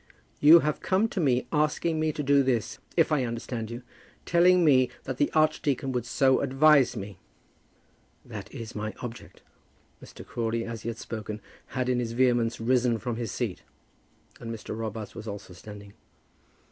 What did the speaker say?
You have come to me asking me to do this, if I understand you, telling me that the archdeacon would so advise me." "That is my object." Mr. Crawley, as he had spoken, had in his vehemence risen from his seat, and Mr. Robarts was also standing.